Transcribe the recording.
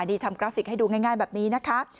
นี่ทำกราฟิกให้ดูง่ายแบบนี้นะคะ